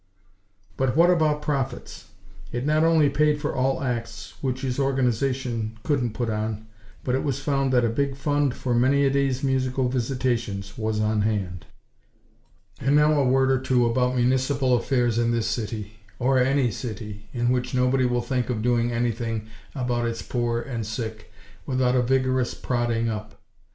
But what about profits? It not only paid for all acts which his Organization couldn't put on, but it was found that a big fund for many a day's musical visitations, was on hand. And, now a word or two about municipal affairs in this city; or any city, in which nobody will think of doing anything about its poor and sick, without a vigorous prodding up.